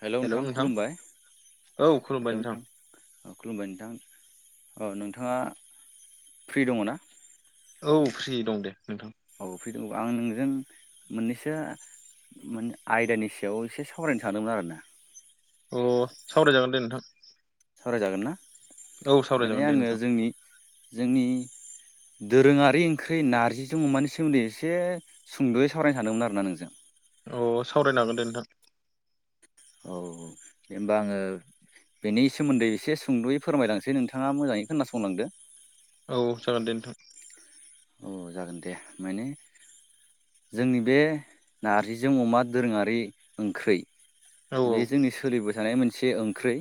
Hello नोंथां खुलुमबाय औ खुलुमबाय हेल' नोंथां अ खुलुमबाय नोंथां औ नोंथाङा फ्रि दङ ना? औ फ्रि दं दे नोंथां औ फ्रिदं आं नोंजों मोननैसो माने आयदानि सायाव एसे सावरायनो सानदोंमोन आरोना अ सावरायजागोन दे नोंथां सावरायजागोन ना औ माने सावरायजागोन दे आङो नोंथां जोंनि जोंनि दोरोङारि ओंख्रि नारजिजों अमानि सोमोन्दै एसे सुंद'यै सावरायनो सानदोंमोन आरोना नोंजों अ सावरायनो हागोन दे नोंथां औ दे ओमबा आङो बेनि सोमोन्दै एसे सुंद'यै फोरमायलांसै नोंथाङा मोजाङै खोनासंलांदो औ जागोन दे नोंथां औ जागोन दे माने जोंनि बे नारजिजों अमा दोरोङारि ओंख्रि औ बेयो जोंनि सोलिबाय थानाय मोनसे ओंख्रि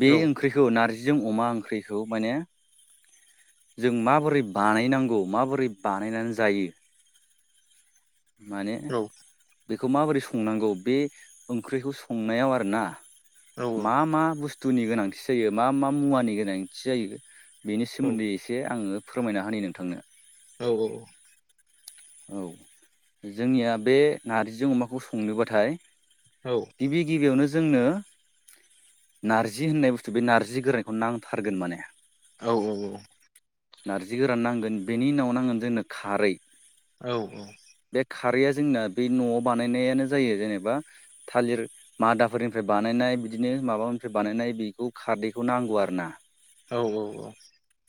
बे औ ओंख्रिखौ नार्जि जों अमा ओंख्रिखौ माने जों माबोरै बानायनांगौ माबोरै बानायनानै जायो माने औ बेखौ माबोरै संनांगौ बे ओंख्रिखौ संनायाव आरोना औ मा मा बुस्थु बुथुनि गोनांथि जायो मा मा मुवानि गोनांथि जायो बेनि औ सोमोन्दै एसे आङो फोरमायना होनि नोंथांनो औ औ औ जोंनिया बे नारजि अमाखौ संनोबाथाय औ गिबि गिबियावनो जोंनो नारजि होननाय बुस्थु बे नार्जि गोरायखौ नांथारगोन माने औ औ औ नारजि गोरान नांगोन बेनि उनाव नांगोन जोंनो खारै औ औ बे खारैया जोंना बे न'आव बानायनायानो जायो जेनेबा थालिर मादाफोरनिफ्राय बानायनाय नाय बिदिनो माबानिफ्राय बानायनाय बेखौ खारदैखौ नांगौ आरोना औ औ औ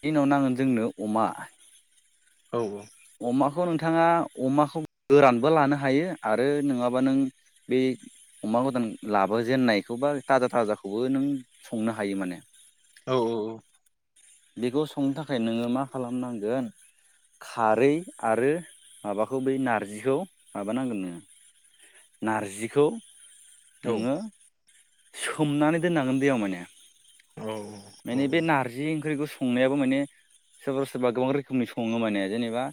इनाव नांगोन जोंनो अमा औ औ अमाखौ नोंथाङा अमाखौ गोरानबो लानो हायो आरो नङाबा नों बे अमा गोदान लाबोजेननायखौ बा थाजा थाजाखौबो नों संनो हायो माने औ औ औ। बेखौ संनो थाखाय नोंङो मा खालामनांगोन। खारै आरो माबाखौ बै नारजिखौ माबानांगोन नोंङो। नारजिखौ। नोंङो सोमनानै दोननांगोन दैेयाव माने। माने बे नारजि ओंख्रिखौ । संनायाबो माने सोरबा सोरबा गोबां रोखोमनि संङो माने जेनेबा।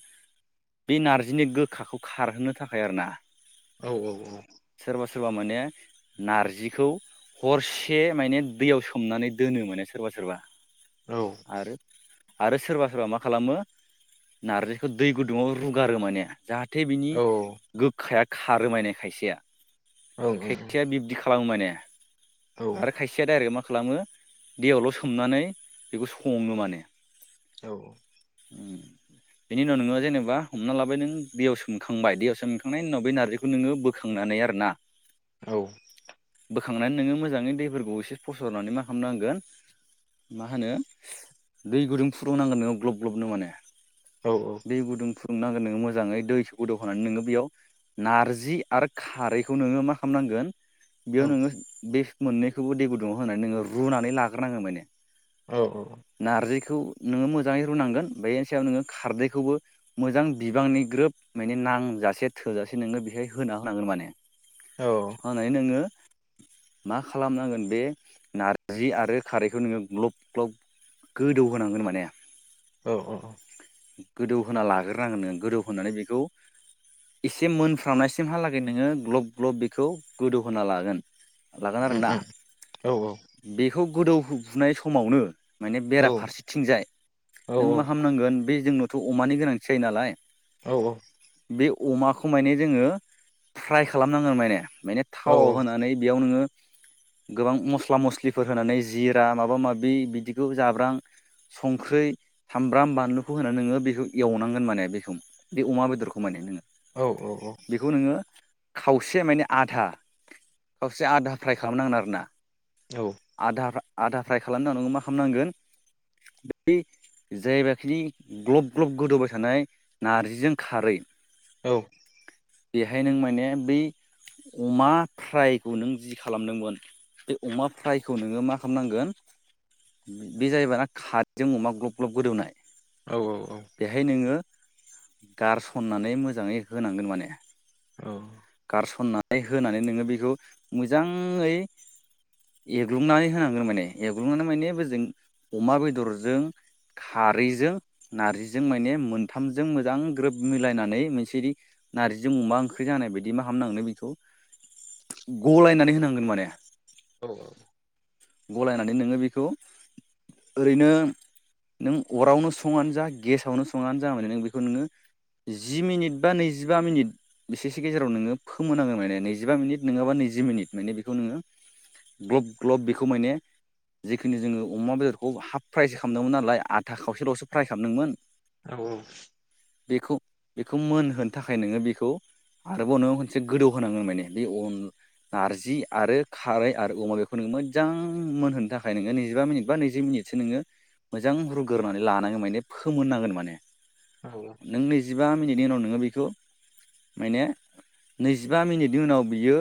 बे नारजिनि गोखाखौ खारहोनो थाखाय आरो ना। औ औ औ। सोरबा सोरबा माने नारजिखौ हरसे माने दैयाव सोमनानै दोनो माने । सोरबा सोरबा। औ। आरो आरो सोरबा सोरबा मा खालामो नारजिखौ दै गुदुङाव रुगारो माने। जाहाथे बिनि गोखाया खारो माने खायसेया खायसेया बिब्दि खालामो। खालामो माने आरो खायसेया डाइरेक्ट मा खालामो। दैयावल सोमनानै बेखौ संङो माने। औ। बेनि उनाव नोंङो जेनेबा हमना लाबाय नों दैयाव सोमखांबाय दैयाव सोमखांनायनि उनाव बे नारजिखौ नोंङो बोखांनानै। बोखांनानै आरोना। औ। बोखांनानै नोंङो मोजांङै दैफोरखौ एसे फसरनानै मा खालामनांगोन। मा होनो दै गुदुं फुदुंनांगोन नोंङो ग्लब ग्लबनो माने। दै गुदुं फुदुं। सुंनांगोन नोंङो मोजांङै दै गोदौहोनानै नोंङो बेयाव नारजि आरो खारैखौ नोंङो मा खालामनांगोन। बेयाव नोंङो बे मोननैखौबो दैे गुदुङाव होननानै नोंङो रुनानै लाग्रोनांगोन माने औ औ मोजांङै रुनांगोन बेनि सायावनो खारदैखौ मोजां बिबांनि ग्रोब नांजासे थोजासे नोंङो बेहाय होना होनांगोन माने होननानै नोंङो मा खालामनांगोन बे नारजि आरो खारैखौ नोंङो ग्लब ग्लब गोदौ होनोनांगोन माने औ औ औ गोदौ होना लाग्रोनांगोन नोंङो गोदौ होनानै बेखौ एसे मोनफ्रामनायसिमहालागै नोंङो ग्लब ग्लब बेखौ गोदौहोना लागोन। लागोन आरोना बेखौ गोदौफुनाय समावनो माने बेराफारसेथिंजाय नों मा खालामनांगोन बे जोंनावथ अमानि गोनांथि जायो नालाय औ औ बे अमाखौ माने जोंङो फ्राय खालामनांगोन माने माने औ थावाव औ होनानै बेयाव नोंङो गोबां मस्ला मस्लिफोर होनानै जिरा माबा माबि बिदिखौ जाब्रां संख्रै सामब्राम बानलुखौ होना नोंङो बेखौ एवनांगोन माने बेखौ बे अमा बेदरखौ माने नोंङो औ औ औ खावसे माने आधा खावसे आधा फ्राय खालामनांगोन आरोना। आदा फ्राय खालाम नांगौ मा खालामनांगोन बै जायबाखिनि ग्लब ग्लब गोदौबाय थानाय नारजिजों खारै औ बेहाय नों माने बै अमा फ्रायखौ नों जि खालामदोंमोन बे अमा फ्रायखौ नोंङो मा खालामनांगोन बे जाहैबाय ना खारदैजों अमा ग्लब ग्लब गोदौनाय औ औ औ बेहाय नोङो गारसननानै मोजाङै होनांगोन माने गारसनना होनानै नोङो बेखौ मोजाङै एग्लुंनानै होनां गौ माने एवग्लुंनानै माने बोजों अमा बेदरजों खारैजों नारजिजों माने मोनथामजों मोजां ग्रोब मिलायनानै मोनसे नारजिजों अमा ओंख्रि जानाय बायदि मा हामनांनो बेखौ गलायनानै होनांगोन माने। औ औ गलायनानै नोङो बेखौ ओरैनो नों अरावनो सङानो जा गेसावनो सङानो जा माने नों बेखौ नोङो जि मिनिट बा नैजिबा मिनिट बिसेसो गेजेराव नोङो फोमोनाङो माने नैजिबा मिनिट नोङाबा नैजि मिनिट माने बेखौ नोङो ग्लब ग्लब बेखौ माने जिखिनि जोङो अमा बेदरखौ हाफ फ्राय खामदोंमोन नालाय आधा खावसेल'सो फ्राय खामदोंमोन औ औ बेखौ बेखौ मोनहोनो थाखाय नोङो बेखौ आरोबाव नोङो खनसे गोदौ होनांगोन माने बे अन नारजि आरो खारै आरो अमा बेखौ नोङो मो जां मोनहोनो थाखाय नोङो नैजिबा मिनिट बा नैजि मिनिटसो नोङो मोजां रुग्रोनै लानांगोन माने फोमोननांगोन माने नों नैजिबा मिनिट नि उनाव नोङो बिखौ माने नैजिबा मिनिटनि उनाव बियो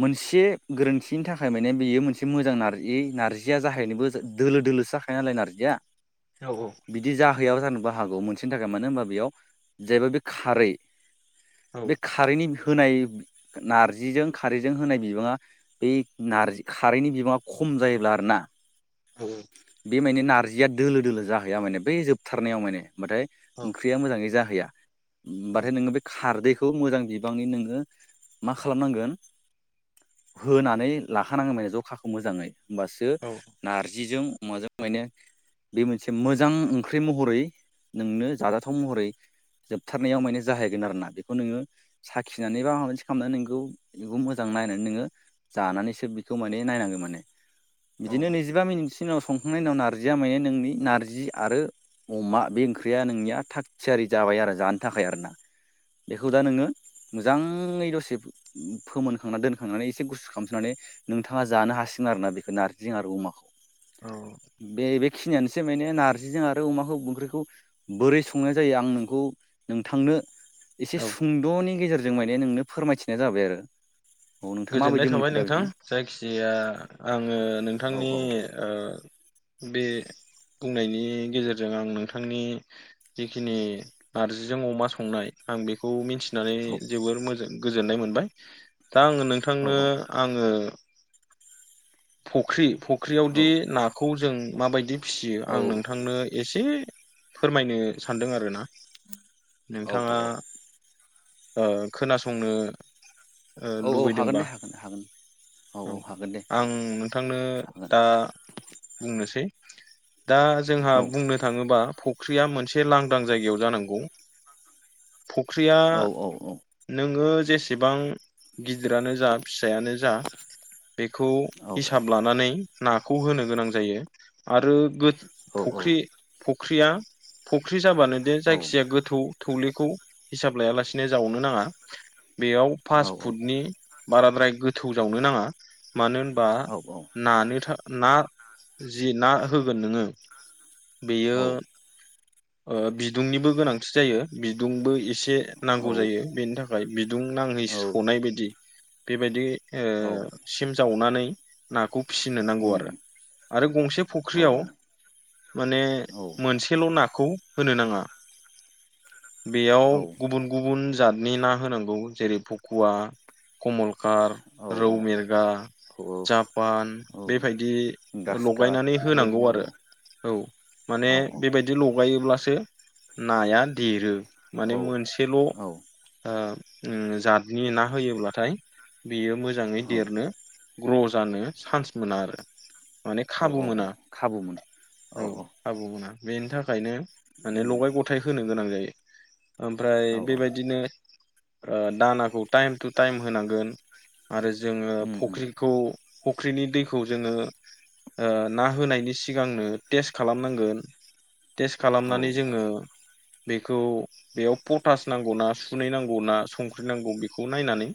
मोनसे गोरोन्थिनि था खाय माने बेयो मोनसे मोजां नारजि नार्जिया जाहैनोबो दोलो दोलोसो जाखायो नालाय नारजिया बिदि जाहैयाबो जानोबा हागौ मोनसेनि थाखाय मानो होनबा बेयाव जायबा बे खारै बे खारैनि होनाय नारजिजों खारैजों होनाय बिबाङा बै नारजि खारैनि बिबाङा खम जायोब्ला आरोना बे माने नार जिया दोलो दोलो जाहैया माने बै जोबथारनायाव माने माथाय औ ओंख्रिया मोजाङै जाहैया। बाथाय नोङो बे खारदै खौ मोजां बिबांनि नोङो मा खालामनांगोन होनानै लाखानांगोन माने जखाखौ मोजाङै होमबासो नारजिजों अमाजों माने बे मोनसे मोजां ओंख्रि महरै नोंनो जाजाथाव महरै जोबथारनायाव माने जाहैगोन आरो ना बेखौ नोङो साखिनानै बा माबा मोनसे खामनानै नोंगौ [unintelligible] बेखौ मोजां मा होनो नोङो जानानैसो बिखौ माने नायनांगोन माने बिदिनो नैजिबा मिनिटसोनि उनाव सं खांनायनि उनाव नारजिया माने नोंनि नारजि आरो अमा बे ओंख्रिया नोंनिया थाग थियारि जाबाय आरो जानो थाखाय आरोना। बेखौ दा नोङो मोजाङै दसे फोमोनखांना दोनखांनानै एसे गुसु खामसोनानै नोंथाङा जानो हासिगोन आरोना बेखौ नार्जिं आरो अमाखौ औ बे बेखिनियानोसै। एसे माने नारजिजों आरो अमाखौ ओंख्रिखौ बोरै संनाय जायो आं नोंखौ नोंथांनो एसे औ औ सुंद'नि गेजेरजों माने नोंनो फोरमायथिनाय जाबाय आरो औ नोंथाङा गोजोननाय माबायदि थाबाय मोनखो दा नोंथां बेखौ जायखिजाया आङो औ नोंथांनि औ ओ बे बुंनायनि गेजेरजों आं नोंथांनि जिखिनि नारजिजों अमा संनाय आं बेखौ मिन्थि नानै औ जोबोर मोजां गोजोननाय मोनबाय दा आङो औ नोंथांनो आङो फख्रि औ फख्रियावदि नाखौ जों माबायदि फिसियो आं नोंथांनो एसे फोरमायनो सानदों आरोना औ नोंथाङा ओ खोनासंनो ओ औ औ लुबैदोंबा हागोन दे हागोन हागोन औ औ हागोन दे। आं नोंथांनो हागोन दा बुंनोसै दा जोंहा औ बुंनो थाङोबा फु ख्रिया मोनसे लांदां जायगायाव जानांगौ फुख्रिया औ औ नोङो जेसेबां गिदिरानो जा फिसायानो जा बेखौ औ हिसाब लानानै नाखौ होनो गोनां जायो आरो गो फख्रि फुख्रिया फुख्रि जाबानो दे औ जायखिजाया गोथौ थौलेखौ हिसाब लायालासेनो जावनो नाङा बेयाव फास फुटनि बाराद्राय गोथौ जावनो नाङा मानो होनबा औ औ नानो ना जि ना होगोन नोङो बेयो औ ओ बिदुंनिबो गोनांथि जायो बिदुंबो ए से नांगौ औ जायो बेनि थाखाय बिदुं नाङै औ सनाय बायदि बेबायदि ओ औ सिम जावनानै नाखौ फिसिनो नांगौ आरो उम आरो गंसे औ फुख्रियाव माने औ मोनसेल' ना खौ होनो नाङा बेयाव औ गुबुन गुबुन जादनि ना होनांगौ जेरै फकुवा, कमलकाट औ रौ, मिर खा औ जापान औ बेबायदि ग्रास काट लगायनानै होनांगौ बेफोरबायदिनो आरो औ माने औ बेबायदि ला गायोब्लासो नाया देरो औ माने मोनसेल' ओ औ ओम जतनि ना होयोब्लाथाय बियो मोजाङै औ देरनो ग्र' जानो चान्स मोनो आरो माने औ खाबु औ मोनो खाबु मोनो औ खाबु मोनो बेनि थाखायनो माने उम लगाय गथाय होनो गोनां जायो ओमफ्राय औ औ बेबायदिनो ओ दानाखौ टाइम टु टाइम होनांगोन आरो जोङो उम उम फुख्रिखौ फुख्रिनि दैखौ जोङो ओ ना होनायनि सिगांनो टेस्ट खालामनांगोन टेस्ट औ खालामनानै जोङो। बेखौ बेयाव पटास नांगौ ना सुनै नांगौ ना संख्रि नांगौ बेखौ नायनानै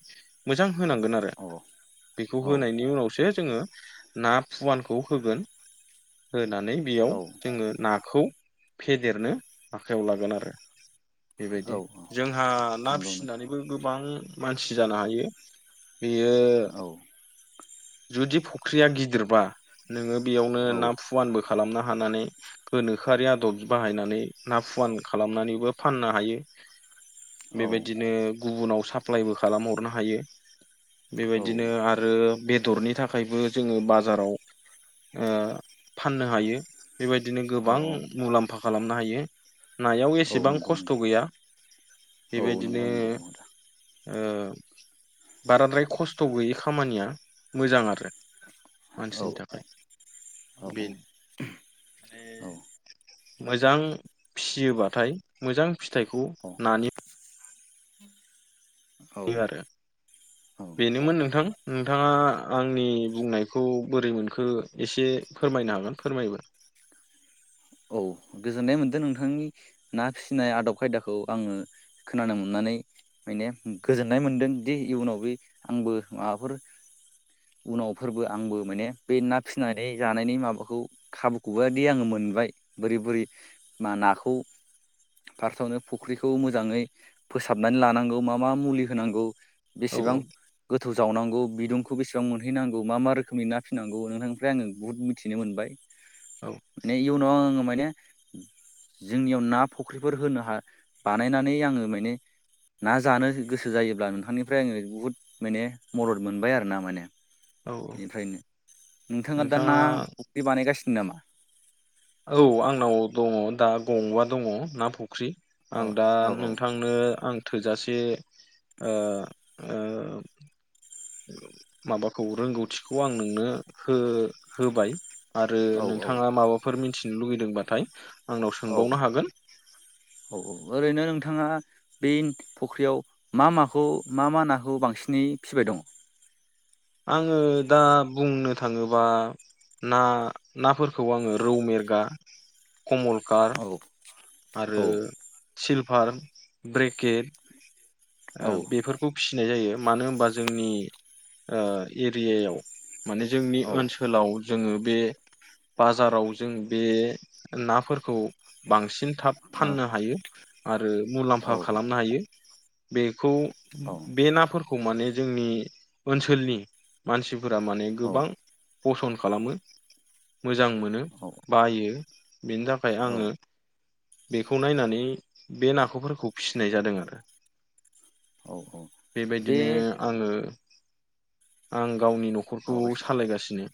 मोजां होनांगोन आरो औ बेखौ औ होनायनि उनावसो जोङो ना फुवानखौ होगोन होनानै बेयाव औ जोङो नाखौ फेदेरनो आखायाव लागोन आरो बेबायदि औ जोंहा ना नंगौ नों फिसिनानैबो गोबां मानसि जानो हायो। औ बेयो जुदि फुख्रिया गिदिरबा नोङो बेयावनो औ ना फुवानबो खालामनो हानानै गोनोखोआरि आदब बाहायनानै ना फुवान खालामनानैबो फाननो हायो। औ बेबायदिनो गुबुनाव साप्लायबो खालामहरनो हायो औ बेबायदिनो आरो बेदरनि थाखायबो जोङो बाजाराव ओ फाननो हायो। बेबायदिनो औ गोबां मुलाम्फा खालामनो हायो। नायाव औ एसेबां नंगौ खस्थ' नंगौ गैया औ बेबायदिनो नंगौ नंगौ ओ बाराद्राय खस्थ' गैयै खामानिया मोजां आरो औ मानसिनि थाखाय औ बेनो माने मोजां फियोबाथाय मोजां फिथाइखौ नानि औ बे आरो औ बेनोमोन नोंथां नोंथाङा आंनि बुंनायखौ बोरै मोनखो एसे फोरमायनो हागोन फोरमायोबा [inaudible] औ गोजोननाय मोन्दों नोंथांनि ना फिसिनाय आदब खायदाखौ आङो खोनानो मोनना नै गोजोन्नाय मोनदों दि इयुनाव बे आंबो माबाफोर उनावफोरबो आंबो माने बे ना फिसिनानै जानायनि माबाखौ खाबुखौबोदि आङो मोनबाय बोरै बोरै मा नाखौ फार्स्टआवनो फुख्रिखौ मोजाङै फोसाबनानै लानांगौ मा मा मुलि होनांगौ औ बेसेबां गो थौ जावनांगौ बिदुंखौ बेसेबां मोनहैनांगौ मा मा रोखोमनि ना फिनांगौ नोंथांनिफ्राय आङो बुहुद मिथिनो मोनबाय। औ माने इयुनाव आङो माने जोंनियाव ना फुख्रिफोर होनो हा बानायनानै आङो माने ना जानो गोसो जायोब्ला नोंथांनिफ्राय आङो बुहुद माने मदद मोनबाय आरो ना माने। औ इनिफ्रायनो नोंथाङा दा ना फुख्रि बानायगासिनो नामा? औ आंनाव दङ दा गंबा दङ ना फुख्रि औ आं दा औ नोंथांनो आं थोजासे ओ ओ माबाखौ रोंगौथिखौ आं नोंनो हो-होबाय। आरो औ नोंथाङा माबाफोर मिथिनो लुगैदोंबाथाय आंनाव औ सोंबावनो हागोन औ औ ओरैनो नोंथाङा बे फख्रियाव मा माखौ मा मा नाखौ बांसिनै फिबाय दंङ'? आङो दा बुंनो थाङोबा ना नाफोरखौ आङो रौ मेरगा कमलकार औ आरो औ सिलभार ब्रेकेट औ ओ बेफोरखौ फिसिनाय जायो मानो होनबा जोंनि ओ एरियायाव माने जोंनि औ ओनसोलाव जोङो बे बाजाराव जों बे नाफोरखौ बांसिन थाब औ फाननो हायो। ओ औ मुलामफा खालामनो हायो बेखौ बे नाफोर खौ माने जोंनि ओनसोलनि मानसिफोरा माने औ गोबां फसन्द खालामो मोजां मोनो औ बायो बेनि थाखाय आङो बेखौ नायनानै बे नाखौफोरखौ फिसिनाय जादों आरो। औ औ बे बेबायदिनो आङो आं गावनि न'खरखौ माबागासिनो सालायगासिनो।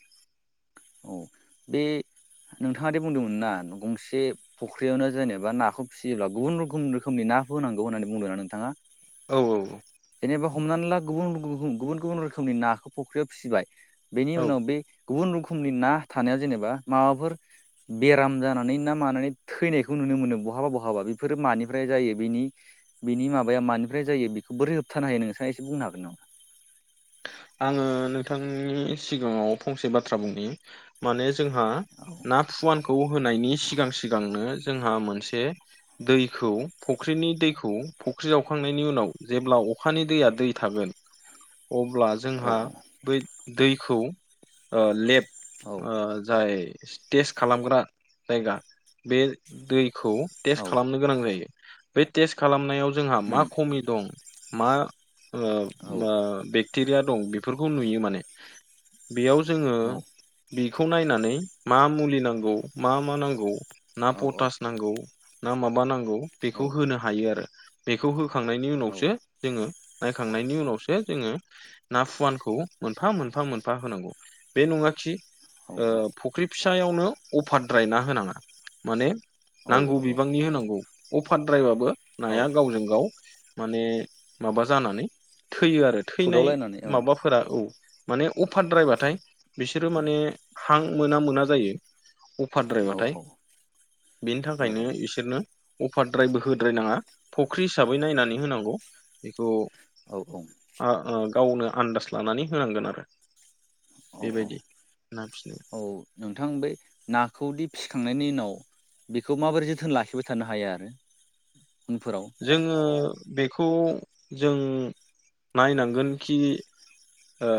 औ बे नोंथाङा दिे बुंदोंमोन ना गंसे फुख्रियावनो जेनेबा नाखौ फिसियोब्ला गुबुन रोखोम रोखोमनि ना होनांगौ होननानै बुंदों ना नोंथाङा? औ औ जेनेबा हमनानै ला गुबुन गुबुन रोखोमनि नाखौ फ'ख्रियाव फिसिबाय बेनि औ उनाव गुबन रोखोमनि ना थानायाव जेनेबा माबाफोर बेराम जानानै ना मानानै थैनायखौ नुनो मोनो। बहाबा बहाबा बेफोरो मानिफ्राय जायो बिनि बिनि माबाया मानिफ्राय जायो बेखौ बोरै होबथानो हायो नोंथां एसे बुंनो हागोन नामा? आङो नोंथांनि सिगाङाव फंसे बाथ्रा बुंनि माने जोंहा औ ना फुवानखौ होनायनि सिगां सिगांनो जोंहा मोनसे दैखौ फुख्रिनि दैखौ फुख्रि जावखांनायनि उनाव जेब्ला अखानि दैया दै थागोन अब्ला जोंहा बै दैखौ ओ लेब औ ओ जाय टेस्ट खालामग्रा जायगा बे दैखौ औ टेस्ट खालामनो गोनां जायो। बे टेस्ट खालामनायाव जोंहा मा उम खमि दं मा ओ औ ओ बेक्टेरिया दं बेफोरखौ नुयो माने। बेयाव जोङो औ बिखौ नायनानै मा मुलि नांगौ मा मा नांगौ ना औ पटास नांगौ ना माबा नांगौ औ बेखौ होनो हायो आरो। बेखौ हो खांनायनि औ उनावसो जोङो नायखांनायनि उनावसो जोङो ना फुवानखौ मोनफा मोनफा मोनफा होनांगौ बे नङाखि ओ फुख्रि फि सायावनो अबारद्राय ना होनाङा माने नांगौ औ बिबांनि होनांगौ। अबारद्रायबाबो औ नाया गावजों गाव माने माबा जानानै थैयो आरो थैनाय सुदावलायनानै औ माबाफोरा औ माने अफारद्रायबाथाय बिसोरो माने हां मोना मोना जायो । औ अफारद्रायबाथाय औ बेनि औ थाखायनो बिसोरनो अफारद्रायबो होद्रायनाङा फुख्रि हिसाबै नायनानै होनांगौ बेखौ औ औ आ ओ गावनो आन्दास लानानै होनांगोन आरो । औ औ औ नोंथां बे नाखौदि फिसिखांनायनि उनाव बेखौ माबोरै जोथोन लाखिबाय थानो हायो आरो? उनफोराव जोङो बेखौ जों नायनांगोनखि ओ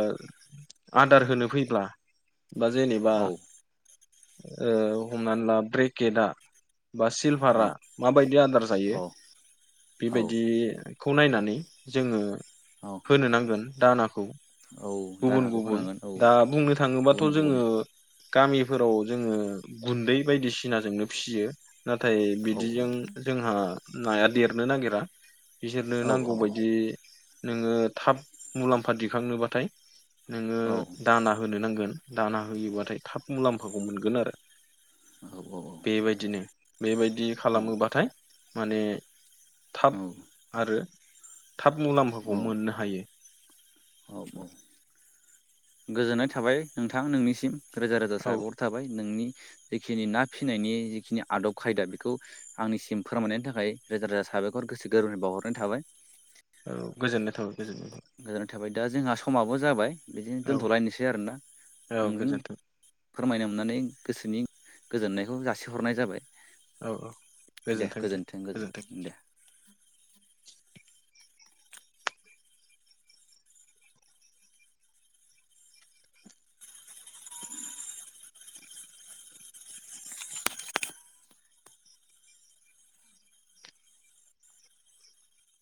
आदार होनो फैब्ला बा जेनेबा औ ओ हमनानै ला ब्रेकेदा बा औ सिलभारा माबायदि आदार जायो औ बेबायदि खौ नायनानै जोङो औ होनो नांगोन दानाखौ औ । गुबुन दानाखौ गुबुन होनांगोन औ दा बुंनो थाङोबाथ' गुबुन गुबुन जोङो गामि फोराव जोङो गुन्दै बायदिसिनाजोंनो फिसियो । नाथाय औ बिदिजों जोंहा नाया देरनो नागिरा । बिसोरनो औ नांगौबायदि नोङो थाब मुलाम्फा दिखांनोबाथाय नोङो दाना होनो नांगोन दाना होयोबाथाय थाब मुलाम्फाखौ मोनगोन आरो । बेबायदिनो बेबायदि खालामोबाथाय माने थाब आरो थाब औ मुलाम्फाखौ मोननो हायो । औ औ गोजोननाय थाबाय नोंथां नोंनिसिम । रोजा रोजा औ साबायखर थाबाय नोंनि जिखिनि ना फिसिनायनि जिखिनि आदब खायदा बेखौ आंनिसिम फोरमायनायनि थाखाय रोजा रोजा सा बायखर गोसो गोरबोनि बावहरनाय थाबाय। औ गोजोननाय थाबाय गोजोननाय गोजोननाय थाबाय दा जोंहा समाबो जाबाय। बिदिनो थाबाय दोन्थ'लायनोसै आरो ना औ नोंजों गोजोन्थों फोरमायनो मोननानै गोसोनि गोजोननायखौ जासिहरनाय जाबाय। औ औ दे गोजोन्थों गोजोनथों गोजोन्थों गोजोन दे।